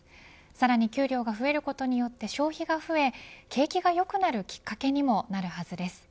さらに給料が増えることによって消費が増え、景気が良くなるきっかけにもなるはずです。